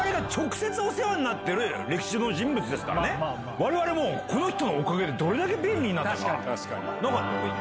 我々この人のおかげでどれだけ便利になったか。